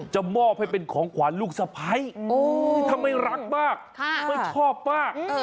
จะมอบให้เป็นของขวานลูกสะพ้ายทำให้รักบ้างไม่ชอบบ้าง